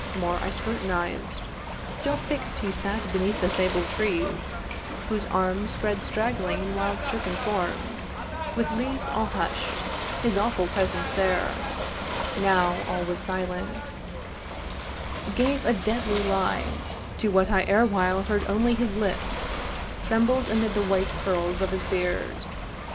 More I scrutinized: Still fix'd he sat beneath the sable trees, Whose arms spread straggling in wild serpent forms, With leaves all hush'd; his awful presence there (Now all was silent) gave a deadly lie To what I erewhile heard only his lips Trembled amid the white curls of his beard.